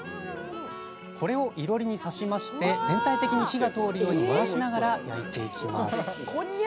これを、いろりに刺しまして全体的に火が通るように回しながら焼いていきます。